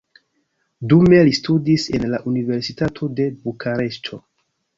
Dume li studis en la universitato de Bukareŝto.